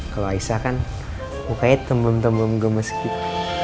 kalau aisyah kan mukanya tembem tembem gemes gitu